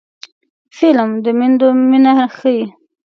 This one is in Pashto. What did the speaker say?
فلم د میندو مینه ښيي